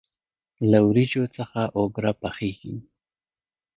له وریجو څخه اوگره پخیږي.